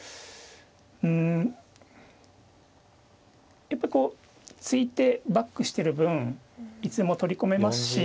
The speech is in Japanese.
うんやっぱりこう突いてバックしてる分いつでも取り込めますし。